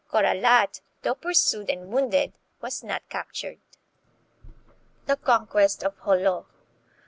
Corralat, though pursued and wounded, was not captured. 1 The Conquest of Jolo.